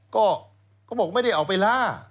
ก็เขาบอกไม่ได้เอาไปล่า